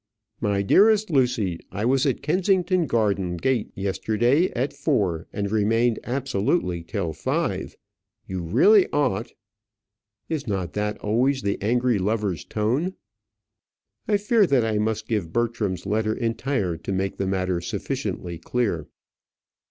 "My dearest Lucy, I was at Kensington garden gate yesterday at four, and remained absolutely till five. You really ought ." Is not that always the angry lover's tone? I fear that I must give Bertram's letter entire to make the matter sufficiently clear.